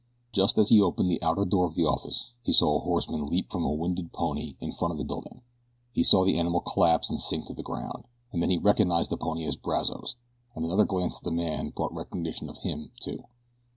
Just as he opened the outer door of the office he saw a horseman leap from a winded pony in front of the building. He saw the animal collapse and sink to the ground, and then he recognized the pony as Brazos, and another glance at the man brought recognition of him, too.